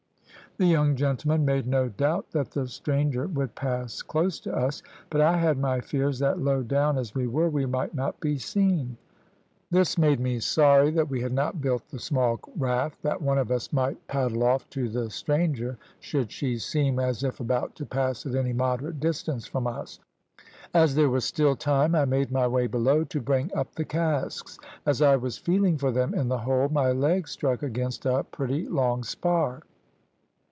The young gentlemen made no doubt that the stranger would pass close to us, but I had my fears that, low down as we were, we might not be seen. This made me sorry that we had not built the small raft, that one of us might paddle off to the stranger should she seem as if about to pass at any moderate distance from us. As there was still time I made my way below to bring up the casks. As I was feeling for them in the hold my legs struck against a pretty long spar.